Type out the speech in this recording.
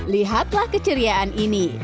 lihatlah keceriaan ini